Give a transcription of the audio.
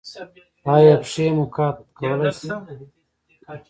ایا پښې مو قات کولی شئ؟